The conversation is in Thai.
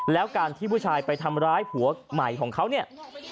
แล้วการที่ผู้ชายไปทำร้ายผัวใหม่ของเขาเนี่ย